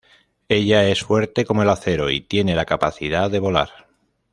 Ella es fuerte como el acero, y tiene la capacidad de volar.